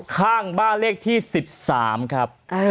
ข้างบ้านเลขที่๑๓ครับ